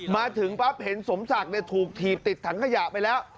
มาถึงปั๊บเห็นสมศักดิ์ถูกถีบติดถังขยะไปแล้ว